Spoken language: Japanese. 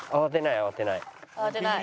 「慌てない。